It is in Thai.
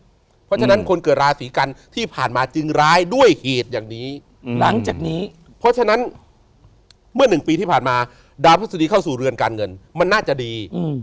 เพราะฉะนั้นคนเกิดราศรีกันที่ผ่านมาจึงร้ายด้วยเหตุอย่างนี้